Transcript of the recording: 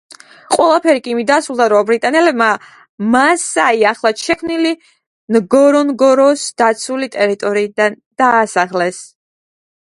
ყველაფერი კი იმით დასრულდა, რომ ბრიტანელებმა მასაი ახლად შექმნილი ნგორონგოროს დაცული ტერიტორიიდან გაასახლეს.